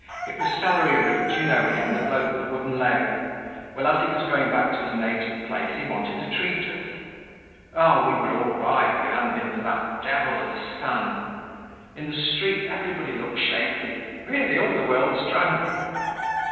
"It was Celery Root, you know him, the bloke with a wooden leg. Well, as he was going back to his native place, he wanted to treat us. Oh! We were all right, if it hadn't been for that devil of a sun. In the street everybody looks shaky. Really, all the world's drunk!"